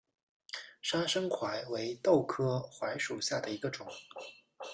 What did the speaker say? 砂生槐为豆科槐属下的一个种。